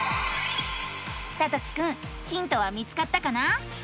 さときくんヒントは見つかったかな？